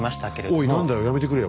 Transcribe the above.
おい何だよやめてくれよ。